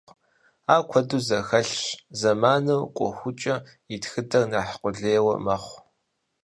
Ар куэду зэхэлъщ, зэманыр кӏуэхукӏэ и тхыдэри нэхъ къулей мэхъу.